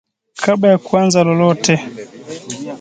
Kabla ya kuanza lolote